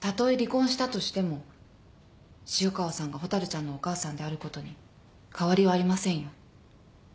たとえ離婚したとしても潮川さんがほたるちゃんのお母さんであることに変わりはありませんよ。